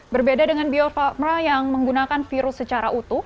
berbeda dengan bio farma yang menggunakan virus secara utuh